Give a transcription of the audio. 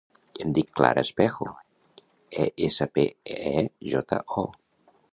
Em dic Clara Espejo: e, essa, pe, e, jota, o.